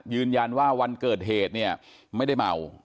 ยืนยันว่าวันเกิดเหตุเนี่ยไม่ได้เมา